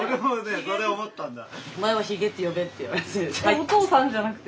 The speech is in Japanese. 「お父さん」じゃなくて？